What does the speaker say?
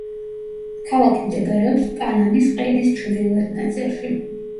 ქალაქი მდებარეობს პანამის ყელის ჩრდილოეთ ნაწილში.